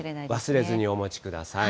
忘れずにお持ちください。